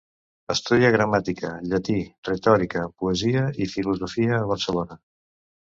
Estudià Gramàtica, Llatí, Retòrica, Poesia i Filosofia a Barcelona.